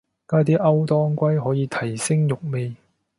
加啲歐當歸可以提升肉味